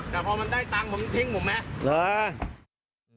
แต่พอมันได้ตังค์ผมทิ้งผมไหม